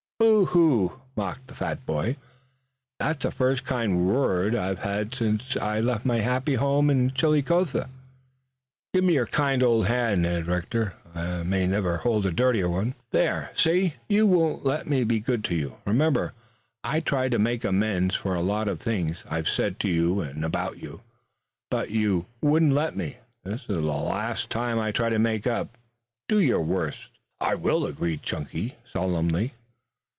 "Boo hoo!" mocked the fat boy. "That's the first kind wor r d I've had since I left my happy home in Chillicothe. Give me your kind old hand, Ned Rector. May I never hold a dirtier one!" "There! See! You won't let me be good to you. Remember, I tried to make amends for a lot of things I've said to and about you, but you wouldn't let me. This is the last time I try to make up. Do your worst." "I will," agreed Chunky solemnly.